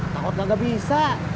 takutlah nggak bisa